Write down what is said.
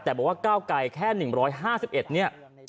แต่บอกว่าก้าวไกลแค่๑๕๑เนี่ย